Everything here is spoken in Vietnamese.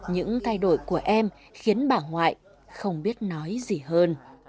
những thay đổi của em khiến bà ngoại không biết nói gì hơn